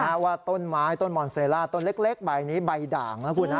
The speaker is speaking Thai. เพราะว่าต้นไม้ต้นมอนเซล่าต้นเล็กใบนี้ใบด่างนะคุณฮะ